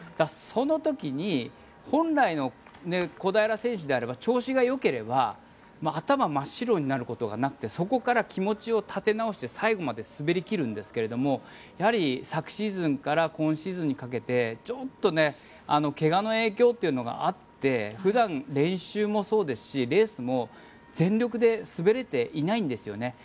その時に本来の小平選手であれば調子がよければ頭真っ白になることがなくてそこから気持ちを立て直して最後まで滑り切るんですがやはり昨シーズンから今シーズンにかけてちょっと怪我の影響というのがあって普段、練習もそうですしレースも全力で滑れていないんですよね。